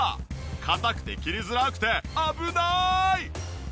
硬くて切りづらくて危ない！